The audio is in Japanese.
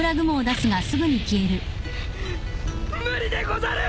無理でござる！